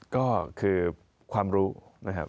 ก็คือความรู้นะครับ